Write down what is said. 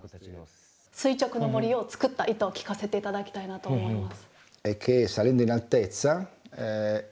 垂直の森をつくった意図を聞かせていただきたいなと思います。